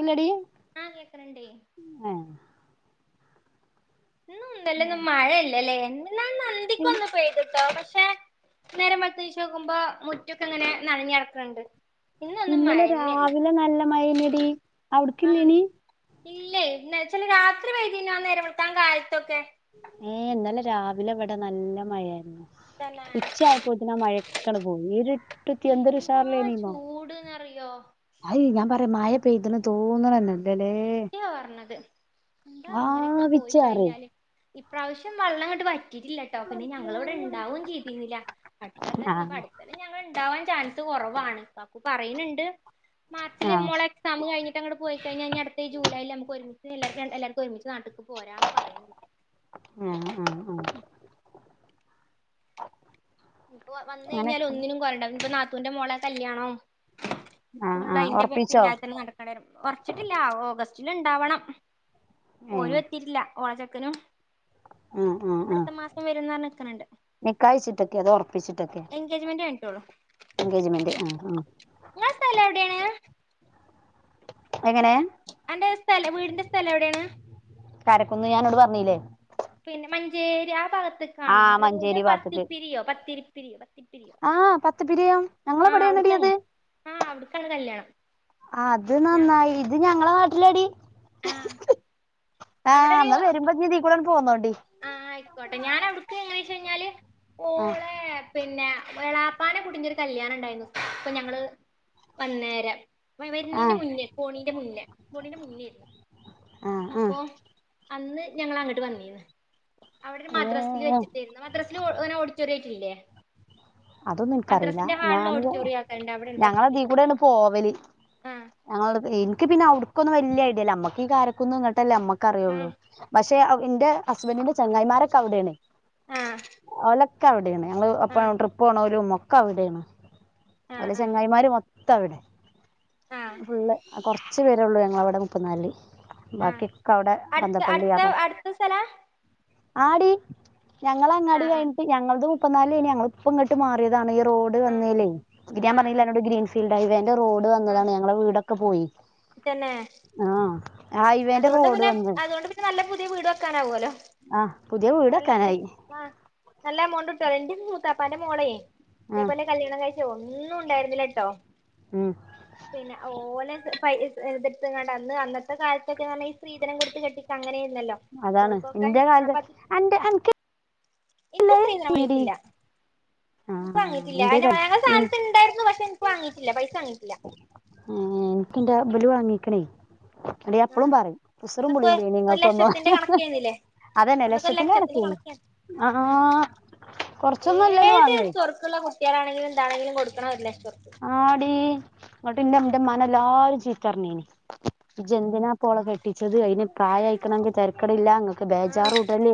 ഇല്ലടി ആഹ് കേക്ക്ണ് ണ്ടേ ങ്ങ് എ ഇന്നും ഇന്നലെ ഒന്നും മഴ ഇല്ലല്ലേ ഇന്നലെ ഒന്ന് അന്തിക്ക് ഒന്ന് പെയ്ത്ട്ടോ പക്ഷെ നേരംവെള്ത് നീച്ച് നോക്കുമ്പോ മുറ്റൊക്കെ ഇങ്ങനെ നനഞ്ഞെടക്ക്ണ്ട് ഇന്നലെ രാവിലെ നല്ല മഴേയ്നെടി ആഹ് മ് ഇല്ലേ ഇന്നെ ച്ചാല് രാത്രി പെയ്തീനു ആ നേരം വെൾക്കാൻ കാലത്തൊക്കെ ഏ ന്നലെ രാവിലെ ഇവിടെ നല്ല മഴാരുന്നു തന്നെ ഉച്ചായപ്പോത്തിന് ആ മഴക്കാണ്ട് പോയി ഇരുട്ടുത്തിയ എന്തൊരുഉഷാറിലേനീന്നോ യോ അയ് ഞാൻ പറയാം മഴ പെയ്ത്ണ് തോന്ന്ണെന്നെല്ലല്ലേ ത്യവാ പറഞ്ഞത് എന്താ ഇങ്ങനെയൊക്കെ പോയി ആവിച്ചാറ് കഴിഞ്ഞാല് ഇപ്രാവശ്യം വെള്ളംങ്ങട്ട് വറ്റിറ്റില്ല ട്ടോ പിന്നെ ഞങ്ങള് ഇവ്ടെ ഇണ്ടാവും ചെയ്തിന്നില്ല അട്ത്തകൊല്ലം ആഹ് ഞ്ഞിപ്പാ ആഹ് അട് ത്ത കൊല്ലം ഞങ്ങള് ഇണ്ടാവാൻ ചാൻസ് കൊറവാണ് കാക്കു പറയ്ണ് ണ്ട് മാർച്ചില് മോളെ എ എക്സാമ് കഴിഞ്ഞിട്ടങ്ങട് പോയി കഴിഞ്ഞ ഇഞട്ത്ത ഈ ജൂലായിലമ്മക്കൊരുമി ച്ച് എല്ലാര്ക്ക് എല്ലാര്ക്കും ഒരുമിച്ച് നാട്ട്ക്ക് പോരാന്ന് പറയ്ന്ന് ആഹ് ആഹ് ആഹ് ഇഞ്പ്പൊ വന്നയ്ഞ്ഞാലും അങ്ങനെയൊക്കെ ഒന്നിനും കോലണ്ടവ് ല ഇഞ്പ്പൊ നാത്തൂന്റെ മോളെ കല്യാണം ആഹ് ഫുള്ള് ആഹ് അയിന്റെ പിൻ ഒറപ്പിച്ചോ പിന്നാൽത്തെന്നെ നട ക്കെണ്ട്യെരും ഒർച്ച്ട്ടില്ല ഓഗസ്റ്റില് ഇണ്ടാവണം ഓരു ഏഹ് എത്തിട്ടില്ല ഓളെ ച്ചെക്കനും ആഹ് അടുത്ത മാസം വെരുന്നർഞ്ഞ്ക്ക്ണ് ണ്ട് നിക്കാഹയ്ച്ചിട്ടൊക്കെ അതോ ഒറപ്പിച്ച്ട്ടെക്കെ എൻഗേജ്മെന്റ് കയിഞ്ഞിട്ടൊള്ളൂ എൻഗേജ്മെന്റ് ആഹ് ആഹ് ങ്ങളെ സ്ഥലം എവ്ടേണ് എങ്ങനേ അന്റെ സ്ഥലം വീടിന്റെ സ്ഥലെവ്ടേണ് കാരക്കുന്ന് ഞാഅന്നോട് പറഞ്ഞില്ലേ പിന്നെ മഞ്ചേരി ആ ഭാഗത്ത്ക്കാണോ ആഹ് ഇഹ് ത് ത് മഞ്ചേരി ഭാഗത്ത്ക്ക് പത്തിപ്പിരിയോ പത്തിരിപ്പിരിയോ പത്തി ആഹ് പത്തപ്പിരിയം ഞങ്ങളെവ്ടേണെടി അത് അവ്ട്ക്കാണ് കല്യാണം അത് ഞാ നന്നായി ഇത് ഞങ്ങളെ നാട്ട്ലാടീ ആഹ് അവിടെ ആഹ് ഒരു ന്നാ വെരുമ്പോഇഞ്തീകൂടണ്ട് പോന്നോണ്ടി ആയ്ക്കോട്ടെ ഞനവ്ട്ക്ക് എങ്ങനെച്ചഴ്ഞ്ഞാല് ആഹ് ഓളെ പി ന്നെ എളാപ്പാന്റെ കുട്ടിന്റൊരു കല്യാണം ഇണ്ടായ്ന്നു പ്പൊഞങ്ങള് വന്നേരെ വെ വെര്ണിന്റെ ആഹ് മുന്നേ പോണിന്റെ മുന്നേ പോണിന്റെ മുന്നേര് ന്നു ആഹ് ആഹ് അപ്പൊ അന്ന് ഞങ്ങളങ്ങട്ട് വന്നീന്ന് അവ്ടെ ഒരു മദ്രസ് ല് ഏഹ് വെച്ച്ട്ടേര്ന്ന് മദ്രസ ല് ഓ ങ്ങനെ ഓഡിറ്റോറിയായിറ്റില്ലേ അതൊന്നും ഇൻക്കറിയിലാ ഞാന് ആക്കണ്ട് അവിടെയാണ് പത്തിപ്പിരിയൊക്കെ ഞങ്ങളതീക്കൂടെണ് പോവല് ആഹ് ഞങ്ങളവ്ട്ക്ക് ഇൻക്ക് പിന്നെ അവിട്ക്കൊന്നും വല്യെ ഐഡിയ ഇല്ല അമ്മക്ക് ഈ കാരക്കുന്നും ഇങ്ങട്ടല്ലേ അമ്മക്ക് അറിയുള്ളു ആഹ് പക്ഷെ ഇന്റെ ഹസ്ബൻഡിന്റെ ചെങ്ങായിമാരൊക്കെ അവിടെണ് ആഹ് ഓലൊക്കെ അവ്ടേണ് ഞങ്ങള് ആഹ് അപ്പം ട്രിപ്പോണോരും ഒക്കവ്ടേണ് ആഹ് ഓലെ ആഹ് ചെങ്ങായിമാര് മൊത്തം അവിടെ ആഹ് ഫുള്ള് കൊർച്ച് പേരേഒള്ളൂ ഞങ്ങളവിടെ നിക്കുന്നോല്ല് ആഹ് ബാക്കിക്കെഅവ്ടെ അടുത്ത ബന്തപ്പള്ളിയ അടുത്ത അടുത്ത സ്ഥലാ [unintelligible] ആടീ ഞങ്ങള അങ്ങാടി ആഹ് ആഹ് കഴിഞ്ഞിട്ട് ഞങ്ങൾതും മുപ്പത് ന്നാലേനി ഞങ്ങള്ഇപ്പ ഇങ്ങട്ട് മാറിയതാണ് റോഡ് ആഹ് വന്നേലെ ഇക് ആഹ് രാംപറഞ്ഞീല്ലെ ആഹ് അന്നോട് ഗ്രീൻഫീൽഡ് ഹൈവേന്റെ റോഡ് ആഹ് വന്നതാണ് ഞങ്ങളെ വീടെക്കെ പോയി തന്നെ ആഹ് ഹൈവേന്റെ അതുകൊണ്ട് റോഡ് പിന്നെ വന്ന് അതുകൊണ്ട് നല്ല പുതിയ വീട് വെക്കാനാവോലോ ആഹ് പുതിയ വീട് നല്ലതെ വെക്കാനായി ആഹ് നല്ല എമൗണ്ട് ഇട്ടോലെ ഇന്റെ മൂത്താപ്പാന്റെ മോളെ ആഹ് ഇതേപോലെ കല്ല്യാണം കഴിച്ച് ഒന്നും ഇണ്ടായിര്ന്നില്ലട്ടോ ഉം പിന്നെ ഓലെ ത് പൈ ഇത് ഇട്ത്ത്കാണ്ട് അന്ന് അന്നത്തെക്കാലത് ഇതൊക്കെന്നർഞ്ഞാ ഈ സ്ത്രീധനം കൊടുത്ത് കെട്ടിച്ച് അങ്ങെനേര്ന്നല്ലോ അതാണ് ഇന്റെ കാലത്ത് അന്റെ അൻക്ക് ഇക്ക് സ്ത്രീധനം വാങ്ങിറ്റില്ല ഇൻക്ക് ആഹ് വാങ്ങിട്ടില്ല ഇന്റെ അഅന്നെ ക വാങ്ങെ ഇൻ സാനത്ത് ഇണ്ടായിരുന്നു പക്ഷെ എനിക്ക് വാങ്ങീട്ടില്ല പൈസ വാങ്ങിയിട്ടില്ല ഉം ഇൻക്കിന്റെ ഇബല് വാങ്ങീക്ക്ണേ ന്നട്ട് ഞാൻ എപ്പളും ആഹ് പറിം ഉസ്റും അന്നൊക്കെ പുളില്ലെ ഒരു നിങ്ങക്കൊന്നും ലക്ഷത്തിന്റെ കണക്കേന്നില്ലേ അതന്നെ അന്നൊക്കെ ഒരു ലക്ഷത്തിന്റെ കണക്കേനിം കണക്കേന്ന് അഹ് ഉം ആഹ് കൊറച്ചൊന്നും അല്ലല്ലോ വാങ്ങേത് ന്ന്ള്ള കുട്ട്യാളാണെങ്കിലും ഇണ്ടാണെങ്കിലും കൊട്ക്കണം ഒരു ലക്ഷം ആടീ ങ്ങട്ട്ന്റെ ന്റെമ്മാനെ എല്ലാരും ചീത്തർഞീനി ജ്ജെന്തിനാപ്പോളെ കെട്ടിച്ചത് അയിന് പ്രായയ്ക്ക്ണങ്കി തെര് തെരക്കടില്ല ഇങ്ങക്ക് ആഹ് ബേജാറൂടല്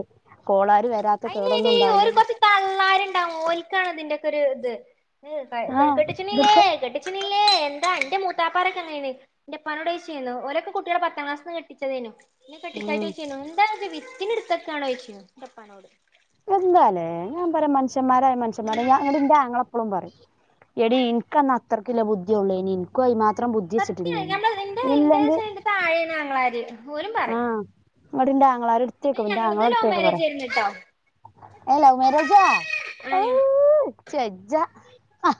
കോളാര് വരാത്തക്കേടൊന്നും ഉണ്ടാവ് ലല്ലോ തള്ളാര്ണ്ടാവും ഓൽക്കാണ് ഇതിന്റെ ഒക്കെ ഒരു ഇത് ആ കെട്ട്ച്ചിണില്ലേ ഇവിടുത്തെ കെട്ടി ച്ചിണില്ലേ എന്താ ഇന്റെ മൂത്താപ്പാരെക്കെ ഇങ്ങനെനി ഇന്റെപ്പാനോടോയ്ച്ചീന്നു ഓലൊക്കെ കുട്ട്യാള് പത്താംക്ലാസ്ന്ന് കെട്ടിച്ചതേര്ന്നു ഇന്നെ ഉം കെട്ടിക്കായിട്ടൊയ്ച്ചീന്നു ഇന്താത് വിത്തിന് ഇട്ത്ത്ക്കാന്നോയ്ച്ചീന്നു ന്റെപ്പാനോട് എന്താലേ ഞാൻ പറയാ മനുഷ്യന്മാരായ മനുഷന്മാരായി ഞാ അങ്ങട് ഉം ഇന്റെ ആങ്ങള ഇപ്പളും പറിം എടീ ഇൻക്കന്ന് അത്രക്ക്ല്ല ബുദ്ധിയൊള്ളേനീ ഇൻക്കാെയ്ൻ മാത്രം ബുദ്ധെച്ചിട്ടില്ലേനീ ഇല്ലെങ്കില് താഴേണ് ആങ്ങളാര് ഓലും പറിം ഇങ്ങട്ട്ന്റെ ആങ്ങളാര് ഇട്ത്തെയ്ക്കും ഇന്റെ ആങ്ങള ലവ് ഇട്ത്തേക്ക് മാരേജ് പറിം ആയിരുന്നു ട്ടോ എലേ മേരേജാ ഔ ആഹ് ഇജ് വെജ്ജാ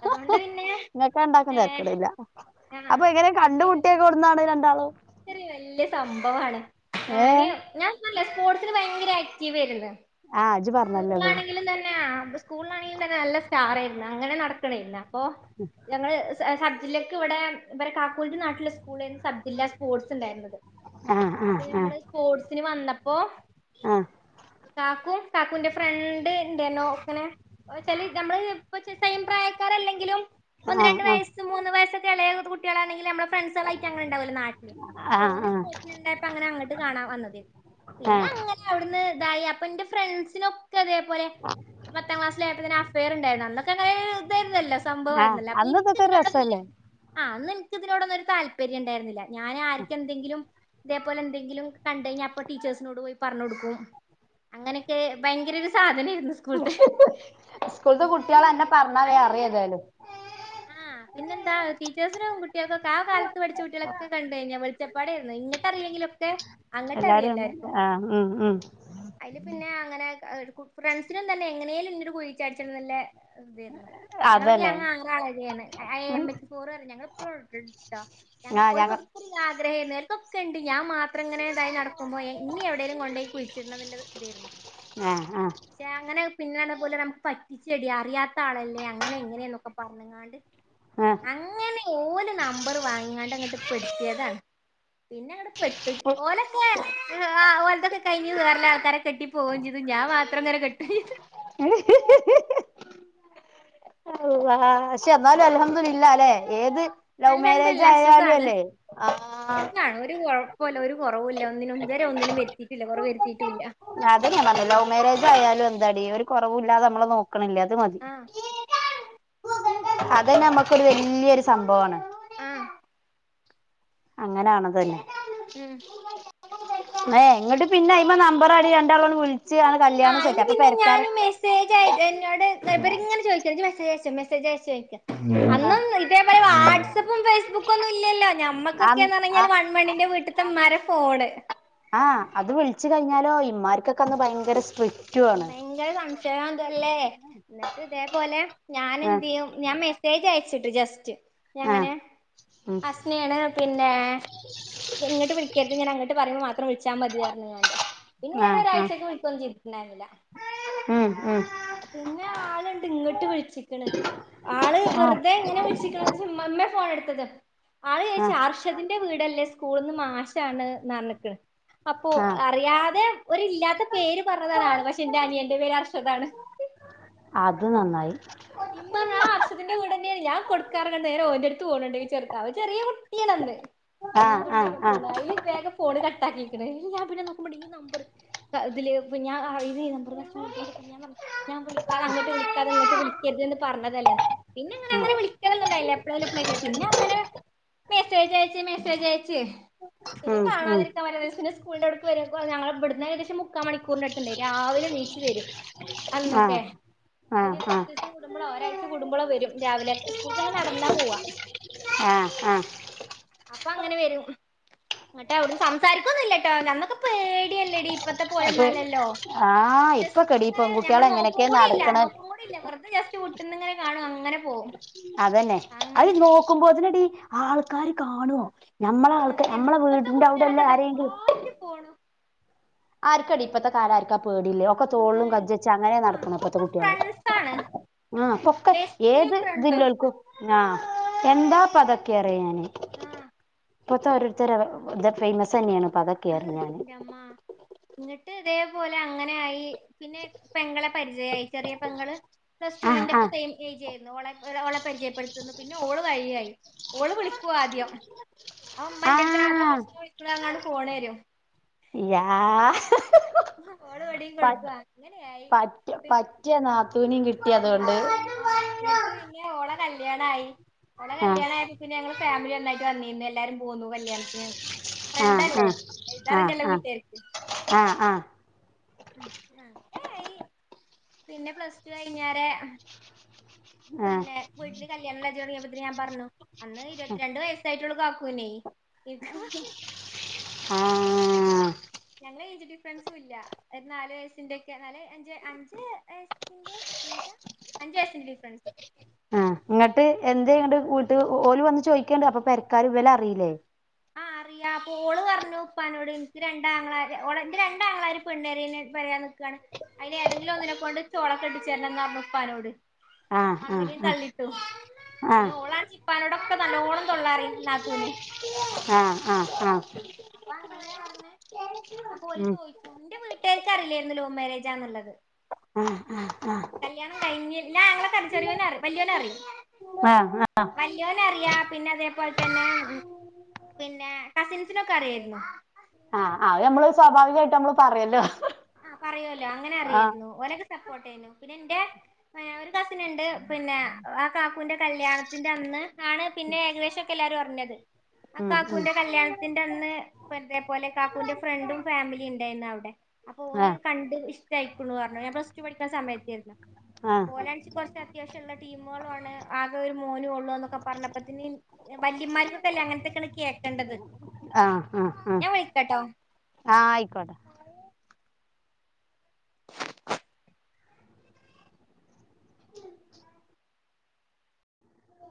അതുകൊണ്ട് പിന്നെ ഇങ്ങെക്കെണ്ടാക്കു ഏഹ് തെര്ക്കടില്ല അപ്പൊ എങ്ങനെ ആഹ് പിന്നെ കണ്ട്മുട്ടിയതൊവ്ട് ന്നാണ് രണ്ടാളും ഇതൊരു വല്ല്യ സംഭവാണ് ഏ ഞാന് ഞാൻ ല്ലേ സ്പോർട്സിൽ ഭയങ്കര ആക്റ്റീവ് ആയ്ര്ന്ന് ആ ഇജ്ജ് പറഞ്ഞല്ലോ അത് സ്കൂളാണെങ്കിലും തന്നെ ആഗസ് സ്കൂളാണെങ്കിലും തന്നെ നല്ല സ്റ്റാറേയ്ര്ന്നു അങ്ങനെ നടക്കണേര്ന്നപ്പോ ഉം ഞങ്ങള് സ് സബ്ജില്ലയ്ക്ക് ഇവടെ ഇബരെ കാക്കൂന്റെ നാട്ടിലെ സ്കൂൾക്കേര്ന്നു സബ്ജില്ല സ്പോർട്സ് ഇണ്ടായ്ര്ന്നത് ആ അപ്പൊ നമ്മള് സ്പോർട്സിന് വന്നപ്പോ ആഹ് കാക്കും കാക്കുന്റെ ഫ്രണ്ട് ഇണ്ടേന്നു ഇങ്ങനെ ഓച്ചാല് നമ്മള് പ്പ്ച്ചെസെയിം പ്രായക്കാർ അല്ലെങ്കിലും ആ ആ ഒന്ന് രണ്ട് വയസ്സ് മൂന്ന് വയസ്സൊക്കെ എളേ ത്കുട്ട്യാളാണെങ്കില്നമ്മളെ ഫ്രണ്ട്സാളായിറ്റങ്ങനെ ഇണ്ടാവോല്ലോ നാട്ടില് ആ ആ ആ അപ്പൊ ഓന് സ്പോർട്സിന് ഇണ്ടായപ്പോ അങ്ങനെ അങ്ങട്ട് കാണാൻ വന്നതേന്നു ആ ആ പിന്നെ അങ്ങ നെഅവിട്ന്ന് ഇതായി അപ്പൊ ഇന്റെ ഫ്രണ്ട്സിനൊക്കെ ഇതേപോലെ പത്താം ക്ലാസിലായപ്പോത്തന്നെ അഫെയറ് ഇണ്ടായിരുന്നു അന്നൊക്കെ അങ്ങനെ ഇതായിന്നല്ലോ ആ സംഭവായിര്ന്നല്ലോ അപ്പൊ അന്ന് ഇനിക്ക് ഇതൊക്കെ ഒരു ഇതിനോ രസല്ലേ ആഹ് അന്ന് ഇൻക്ക് ഇതിനോടൊന്നും ഒരു താല്പര്യം ഇണ്ടായിര്ന്നില്ല ഞാൻ ആർക്കെന്തെങ്കിലും ഇതേപോലെ എന്തെങ്കിലും കണ്ട് കഴിഞ്ഞാ അപ്പ ടച്ചേഴ്സിനോട് പോയി പറഞ്ഞ് കൊടുക്കും. അങ്ങനെയൊക്കെ ഭയങ്കര ഒരു സാധനേര്ന്നു. സ്കൂൾത്തെ കുട്ട്യേൾ അന്നെ പറ്ഞ്ഞാ വേം അതിന് അറിയു ഇന്റെ ഏതായാലും. ആ പിന്നെന്താ. ടീച്ചേഴ്സിനും കുട്ട്യേക്കൊക്കെ ആ കാലത്ത് പഠിച്ചുട്ട്യോ ക്കെ കണ്ടഴിഞ്ഞാ വെളിച്ചപ്പാടേര്ന്നു. ഇങ്ങട്ടറിയില്ലെങ്കിലൊക്കെ എല്ലാരും അന്ന് അങ്ങട്ടറിയെല്ലാർക്കും. ആ ഉം ഉം അയില് പിന്നെ അങ്ങനെ. ഫ്രണ്ട്സിനും തന്നെ എങ്ങനേലും ഇന്നൊരു കുഴിച്ചാടിച്ചണംന്ന്ല്ലെ. ഇതേര്ന്നു. ഞങ്ങള് അതന്നെ ഗ്യാങ് ആറാള ചെയ്യ്ന്ന്. ഐ എം എച്ച് ഫോറ് പറി. ഞങ്ങള് ഇപ്പഴും [unintelligible] ട്ടോ ആ ഞങ്ങക്ക് ഞങ്ങ ഒരു ആഗ്രഹേന് ഇതൊക്കെണ്ട് ഞാൻ മാ അത്ര ഇങ്ങനെ ഇതായി നടക്കുമ്പോ ഇന്നി എവിടേലും കൊണ്ടോയി കുഴിച്ചിട്ണന്ന്ള്ള ഇതേര്ന്നു. ആ യാങ്ങനെ പിന്നെണ് പോലെ നമുക്ക് പറ്റിച്ചെടി. അറിയാത്ത ആളല്ലേ അങ്ങനെ ഇങ്ങനെ ന്നൊക്കെ പറ്ഞ്ഞ് കാ ആണ്ട് ആഹ് അങ്ങനെ ഓല് നമ്പറ് വാങ്ങിങ്ങാണ്ട് ഇങ്ങട്ട് പെടുത്തിയതാണ്. പിന്നെങ്ങ പെട്ട്. ഓലെന്നെ ഓൽതൊക്കെ കഴിഞ്ഞു വേറെ ഇള്ള ആൾക്കാരെ കിട്ടി പോവോം ചെയ്തു. ഞാൻ മാത്രം ഇങ്ങരെ കെട്ടി [inaudible] അള്ളാഹ്. പക്ഷെ എന്നാലും അൽഹംദുലില്ലാല്ലെ ഏത്. ലൗ മാരേജ് അൽഹംദുലില്ലാ ആയാലും സുഖാണ് അല്ലെ സുഖാണ്. ഒരു കൊഴപ്പൊല്ല. ഒരു കൊറവുല്ല. ഒന്നിനും ഇതെരെ ഒന്നിനും വരുത്തിയിട്ടില്ല. കൊറവ് വരുത്തിയിട്ടൂല്ല. അതെന്നെ ഞാൻ പറ്ഞ്ഞെ. ലൗ മാരേജ് ആയാലും എന്താടി ഒരു കൊറവൂല്ലാതെ നമ്മളെ നോക് ക്ക്ണ്ല്ലെ അത് മതി. ആഹ് അത് തന്നെ നമ്മുക്കൊരു വല്യൊരു സംഭവാണ് ആഹ് അങ്ങനെ ആണതെന്നെ. ഉം ഏ ഇങ്ങട്ട് പിന്നെ അയ്മ നമ്പർ ആഡ് ചെയ്തു രണ്ടാളോട് വുൾ ച്ചാണ് ആ കല്യാണം അയില് സെറ്റ്. അപ്പൊ പിന്നെ പെരക്കാരൊക് ഇവരിങ്ങന ചോയ്ക്ക ഇജ് മെസേജ്യയ്ച്ച മെസേജ്യച്ച ചോയ്ക്ക ആഹ് അന്നൊന്ന് ഇതേപോലെ വാട്സപ്പും ഫേസ്ബുക്കും ഒന്നും ഇല്ലല്ലോ. ആഹ് ഞമ്മക്കൊക്കെന്ന് പറഞ്ഞാല് ആഹ് മണ്ണിന്റെ വീട്ടിത്തെ ഇമ്മാരെ ഫോണ് ആ അത് വിളിച്ചു കഴിഞ്ഞാലോ. ഇമ്മാർക്കൊക്കെ അന്ന് ഭയങ്കര സ്ട്രിക് ഭയങ്കര സംശയാന്തല്ലേ. ഇന്നട്ട് ഇതേപോലെ ആഹ് ഞാനെന്തെയ്യും ഞാൻ മര് തേജ അയച്ചിട്ട് ജസ്റ്റ്. ഞാ ആഹ് ഇങ്ങനെ ഉം അസ്നേണ്. പിന്നെ ഇങ്ങട്ട് വിളിക്കര്ത്. ഞാൻ അങ്ങട്ട് പറിമ്പം മാത്രം വിളിച്ചാ മതി അറ്ണ്ക്കാണ്ട്. പിന്നെ ഞാന് ആഹ് ആഹ് ഒരാഴ്ചയ്ക്ക് വിളിക്കൊന്നും ചെയ്തിട്ടുണ്ടായിരുന്നില്ല. ഉം ഉം പിന്നെ ആള്ണ്ട് ഇങ്ങട്ട് വിളിച്ചിക്ക്ണ്. ആള് ആഹ് വെറുതെ ഇങ്ങനെ വിൾച്ക്ക്ണത് ഇമമ്മെ ഫോൺ എടുത്തത്. ആള് ചോയ്ച് ആഹ് അർഷതിൻന്റെ വീടല്ലേ. സ്കൂള്ന്ന് മാശാണ് ന്നർഞ്ക്ക്ണ്. അപ്പോ ആഹ് അറിയാതെ ഒരില്ലാത്ത പേര് പറഞ്ഞതാന്നാണ്. പക്ഷെ ഇന്റെ അനിയന്റെ പേര് അർഷതാണ്. അത് നന്നായി. ഇമ്മ ഞാൻ അർഷിതിന്റെ വീടെന്നേണ്. ഞാൻ കൊടുക്കാറൊക്കെണ്ട് നേരെ ഓൻന്റെടുത്ത് ഫോൺ കൊണ്ട് പോയി വച്ച് കൊടുക്ക. അവൻ ചെറിയ കുട്ട്യാണന്ന്. ആ ആഹ് കൊണ്ടയി ആഹ് ആഹ് കൊട്ത്ത്ക്ക്ണ്. [unintelligible] ഫോണ് കട്ടാക്കിണ്. ഞാൻ പിന്നെ നോക്കുമ്പോ ഈ നമ്പർ ഇതില് ഞ [unintelligible] [unintelligible] ഞാൻ വിളിക്കാതെ അങ്ങട്ട് വിളിക്കതെങ്ങട്ട് വിളിക്കെര്തെന്ന് പറഞ്ഞ് ള്ളതല്ലേ പിന്നങ്ങനെ അങ്ങനെ ആഹ് വിളി ക്കലൊന്നുണ്ടായിലെപ്പളേലും എപ്പളേങ്കി പിന്നെ അങ്ങനെ മെസ്സേജയച്ച് മെസ്സേജയച്ച് പിന്നെ ഉം ഉം കാണാതിരിക്കാൻ പറ്റാതായ് പിന്നെ സ്കൂളിന്റെ അവിടുക്ക് വര്വക്കെ ഞങ്ങളെവ്ട്ന്ന് ഏകദേശം മു മുക്കാ മണിക്കൂറിനട്ത്ത്ണ്ട് രാവിലെനീച്ച് വരും അന്നൊക്കെ ആഹ് ആഹ് ഒരു പ ആഹ് ത്തീസം കൂടുമ്പളോ ഒരാഴ്ച കൂടുമ്പളോ വെരും രാവിലെ സ്കൂൾക്ക് ഞങ്ങള് നടന്നാ പോവ്വാ ആഹ് ആഹ് അപ്പൊ അങ്ങനെ വെരും ന്ന്ട്ടവ്ട്ന്ന് സംസാരിക്കൊന്നൂല്ലേട്ടോ ഞന്നൊക്കെ പേടിയല്ലേടീ ഇപ്പത്തെ അപ്പൊ പോലെന്നല്ലല്ലോ ആഹ് ഇപ്പൊക്കെടി ജസ്റ്റ്ങ്ങനെ പെൺകുട്ടികള് ഞമ്മള് നോക്കും എങ്ങനെയൊക്കെയ കൂടില്ല നടക്കണ നോക്കും കൂടില്ല വെറുതെ ജസ്റ്റ് വി ന്ന്ങ്ങനെ കാണും അങ്ങനെ പോം അതന്നെ അത് നോക്കുമ്പോതിനെടീ ആൾക്കാര് കാണ്വൊ ഞമ്മളെ ആൾക്ക് സത്യം ഞമ്മളെ ഇപ്പത്തെ വീടിന്റെവ്ടെല്ലേ കുട്ടികളൊക്കെതാ ആരെങ്കിലും കൂളായിട്ട് പോണു ആര്ക്കാടീ ഇപ്പത്തെ കാല ആര്ക്കാ പേടില്ലേ ഒക്കെ തോൾലും പേടി കജ്ജെച്ച് അങ്ങനെ ആ നടക്ക്‌ന്ന് ഇപ്പത്തെ ഒക്കെ കുട്ടികള് ഫ്രണ്ട്സാണ് ആഹ് ഒക്കെ ബെസ്റ്റിയും ഏത് ഫ്രണ്ടും ഇതില്ലോൾക്കും ആഹ് എന്താപ്പതക്കെറയും ഞാന് ആഹ് ഇപ്പോത്തെ ഓരോര്ത്തരെ വെ ഇത് ഫേമസന്നെയാണ് ഇപ്പതെ അഹ് ന്റെ അമ്മ ഇന്ന്ട്ട് ഇതേപോലെ അങ്ങനെയായി പിന്നെ പെങ്ങളെ പരിചയായ് ചെറിയ പെങ്ങള് പ്ലസ്ടു ആഹ് വിന്റെ ആഹ് സെയിം ഏജേര്ന്നു ഓളെ പ്പ് ഓളെ പരിചയപ്പെടുത്തിന്നു പിന്നെ ഓള് വഴിയായി ഓള് വിളി ക്കു ആദ്യം ആഉമ്മന്റെട്ത്ത് ആഹ് ആരാമൂഹസീനേ വിളിക്കണെങ്ങാണ്ട് ഫോണെരും യാ ഓള് ഇവിടെയും കൊടുക്കും പറ്റ് അങ്ങനെയായി പറ്റ് പി- പറ്റ്യാ നാത്തൂനേം കിട്ട് ഉം ആഹ് എന്ന്ട്ട് പിന്നെ ഓളെ കല്യാണായി ഓളെ ആഹ് കല്യാണായ പിന്നെ ഞങ്ങള് ഫാമിലിയെല്ലായ്ട്ട് അറിഞ്ഞീര്ന്ന് എല്ലാരും പോന്നൂ കല്യാണത്തിന് ആഹ് ഫ്രണ്ടല്ലേ ആഹ് ഇതാറിഞ്ഞല്ലോ ആഹ് വീട്ടുകാര്ക്ക്‌ ആഹ് ആഹ് ഉം ആഹ് ഏയ് പിന്നെ പ്ലസ്ടു കഴിഞ്ഞാടേ ആഹ് പിന്നേ വീട്ടില് കല്യാണാലോചനൊടങ്ങിയപ്പോ പിന്നെ ഞാൻ പറഞ്ഞു അന്ന് ഇരുപത്തിരണ്ട് വയസായിട്ടൊള്ളൂ കാക്കുനെ ഇൻക്ക് ആഹ് ഞങ്ങള് ഏജ് ഡിഫറൻസും ഇല്ല ഒര് നാല് വയസ്സിന്റെക്കെ നാല് അഞ്ച് അഞ്ച് വയസ്സിന്റെന്താ അഞ്ച് വയസ്സിന്റെ ഡിഫ്രൻസ് ആഹ് ഇങ്ങട്ട് എന്തേ ഇങ്ങട്ട് വീട്ട് ഓ ഓല് വന്ന് ചോയ്ക്കൺണ്ട് അപ്പൊ പെരക്കാരും ഇവലറിയീലേ ആഹ് അറിയാ അപ്പൊ ഓള് പറഞ്ഞു ഉപ്പാനോട് എനിക്ക് രണ്ടാങ്ങളാരാ ഓള് എന്റെ രണ്ടാങ്ങളാര് പെണ്ണേരയ്ൽന് തെരയാൻ നിക്ക്വാണ് അയ്ന് ഏതെങ്കിലൊന്നിനെ കൊണ്ട് ച്ച്ഓളെ ക്കെട്ടിച്ചേരണംന്ന് പറഞ്ഞ് ഉപ്പാനോട് ആഹ് ആഹ് അങ്ങനേം തള്ളീട്ടു ആഹ് പിന്നോള ഉപ്പാനോടൊക്കെ നല്ലോണം തൊള്ളാറയും നാത്തൂന് ആഹ് ആഹ് ആഹ് അപ്പൊ അങ്ങനെയാ പറഞ്ഞേ അപ്പൊ ഓല് ഉം ചോയ് ഇന്റെ വീട്ടുകാർക്കറില്ലാര്ന്നു ലവ് മാരേജാന്ന്ള്ളത് ഉം ആഹ് ആഹ് കല്യാണം കഴിഞ്ഞി ല്ലാ ആങ്ങളക്കറിയാ ചെറിയോന് അറിം വല്യവന് അറിം ആഹ് ആഹ് വല്ല്യോനറിയാ പിന്നെ അതേപോൽതന്നെ പിന്നെ കസിൻസിനൊക്കെ അറിയാരുന്നു ആഹ് അത് നമ്മള് സ്വാഭാവികായ്ട്ടും നമ്മള് പറയുവല്ലോ ആഹ് പറയൂല്ലോ അങ്ങനെ അറിയായിരുന്നു ഓരൊക്കെ സപ്പോർട്ട് ആയിരുന്നു പിന്നെ എന്റെ എഹ് ഒരു കസിന്ണ്ട് പിന്നെ ആഹ് കാക്കുന്റെ കല്യാണത്തിന്റെ അന്ന് ആണ് പിന്നെ ഏകദേശം ഒക്കെ എല്ലാരും അറിഞ്ഞത് ആ ഉം ഉം കാക്കൂന്റെ കല്യാണത്തിന്റെ അന്ന് ഇപ്പൊ ഇതേപോലെ കാക്കൂന്റെ ഫ്രണ്ടും ഫാമിലി ണ്ടായിന്നു അവിടെ അപ്പൊ ഓന് ആഹ് കണ്ട ഇഷ്ടയിക്കുണു പറഞ്ഞു ഞാൻ പ്ലസ് ടു പഠിക്കുന്ന സമയത്തായിരുന്നു ആഹ് അപോലാൻസി കുറച്ച് അത്യാവശ്യള്ള ടീമുകളു ആണ് ആകെ ഒരു മോനു ഉള്ളൂ എന്നൊക്കെ പറഞ്ഞപ്പത്ത് ന് വല്യമാർക്കൊക്കെല്ലേ അങ്ങൻത്തൊക്കെട് കേക്കേണ്ടത് ആഹ് ആഹ് ആഹ് കേട്ടോ ആഹ് ആയിക്കോട്ടെ